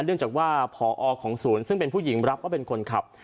เนื่องจากว่าพอของศูนย์ซึ่งเป็นผู้หญิงรับว่าเป็นคนขับ